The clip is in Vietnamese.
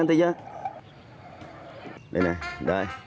đây này đây